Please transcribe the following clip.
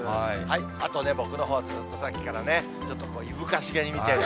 あと、僕のほう、ずっとさっきからちょっといぶかしげに見てる。